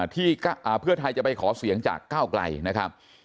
ที่เพื่อไทยจะไปขอเสียงจากก้าวไกลนะครับ